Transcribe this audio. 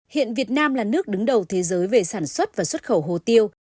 hiện việt nam là nước đứng đầu thế giới về sản xuất và xuất khẩu hồ tiêu